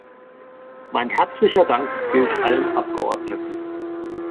Mein herzlicher Dank gilt allen Abgeordneten.